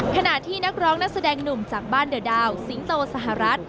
ขณะที่นักร้องนักแสดงหนุ่มจากบ้านเดอะดาวสิงโตสหรัฐ